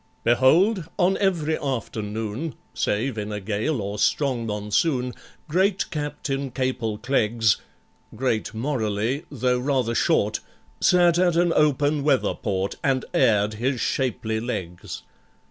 Behold, on every afternoon (Save in a gale or strong Monsoon) Great CAPTAIN CAPEL CLEGGS (Great morally, though rather short) Sat at an open weather port And aired his shapely legs.